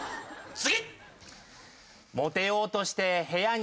次！